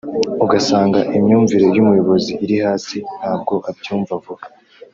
ugasanga imyumvire y’umuyobozi iri hasi ntabwo abyumva vuba